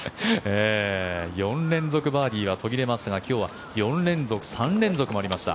４連続バーディーは途切れましたが今日は４連続、３連続もありました。